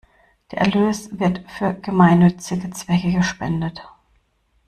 Der Erlös wird für gemeinnützige Zwecke gespendet.